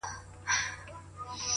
سوخ خوان سترگو كي بيده ښكاري,